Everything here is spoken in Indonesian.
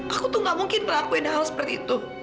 aku tuh gak mungkin terakui dalam hal seperti itu